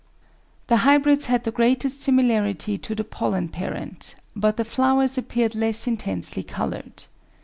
The hybrids had the greatest similarity to the pollen parent, but the flowers appeared less intensely coloured.